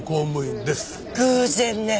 偶然ね。